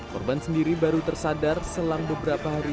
korban sendiri baru tersadar selang beberapa hari